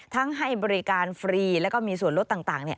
ทั้งให้บริการฟรีและก็มีสวนลดต่าง